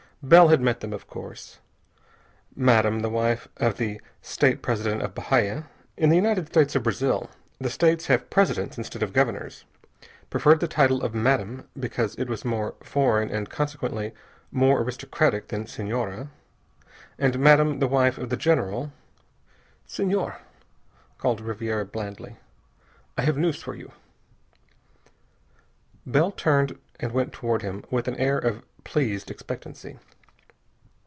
Bell had met them, of course. Madame the wife of the State President of Bahia in the United States of Brazil the states have presidents instead of governors preferred the title of "Madame" because it was more foreign and consequently more aristocratic than Senhora. And Madame the wife of the General "Senhor," called Ribiera blandly, "I have news for you." Bell turned and went toward him with an air of pleased expectancy.